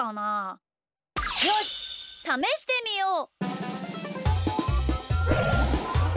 よしためしてみよう！